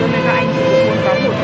để dân dân các anh cũng có một bó hoa